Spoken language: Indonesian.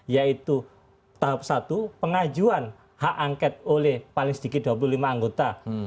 yaitu tahap satu pengajuan hak angket oleh paling sedikit dua puluh lima anggota